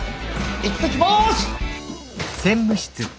行ってきます！